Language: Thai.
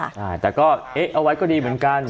ใช่แต่ก็เอ๊ะเอาไว้ก็ดีเหมือนกัน